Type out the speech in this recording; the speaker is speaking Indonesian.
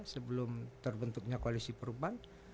sebelum terbentuknya koalisi perubahan